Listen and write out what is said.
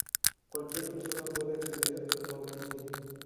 Cualquier persona puede acceder al bautismo.